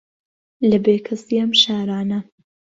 لە بێکەسی ئەم شارانە